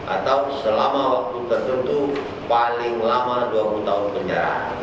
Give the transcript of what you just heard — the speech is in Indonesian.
atau selama waktu tertentu paling lama dua puluh tahun penjara